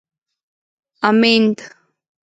امېند